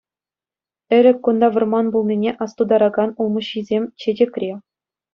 Ӗлӗк кунта вӑрман пулнине астутаракан улмуҫҫисем чечекре.